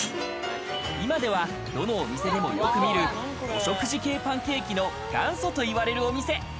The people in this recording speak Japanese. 今ではどのお店でもよく見るお食事系パンケーキの元祖といわれるお店。